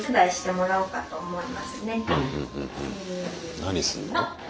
何すんの？